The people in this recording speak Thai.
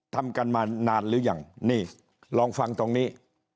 ทำกันมานานหรือยังนี่ลองฟังตรงนี้